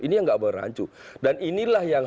ini yang tidak boleh rancu dan inilah yang